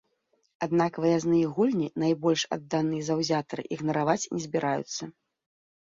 Аднак выязныя гульні найбольш адданыя заўзятары ігнараваць не збіраюцца.